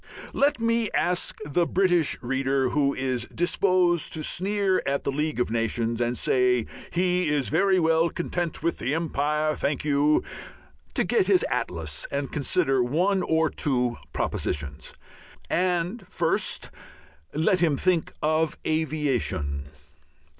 Let me ask the British reader who is disposed to sneer at the League of Nations and say he is very well content with the empire, thank you, to get his atlas and consider one or two propositions. And, first, let him think of aviation.